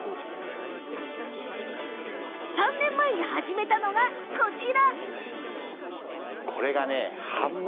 ３年前に始めたのが、こちら。